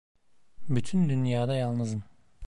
Bütün dünyada yalnızım.